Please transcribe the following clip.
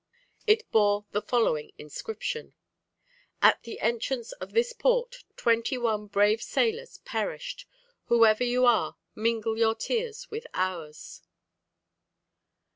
It bore the following inscription: "At the entrance of this port, twenty one brave sailors perished. Whoever you are, mingle your tears with ours."